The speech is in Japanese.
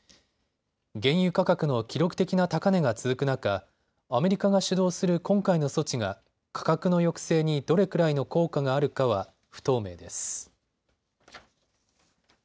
原油価格の記録的な高値が続く中、アメリカが主導する今回の措置が価格の抑制にどれくらいの効果があるかは不透明です。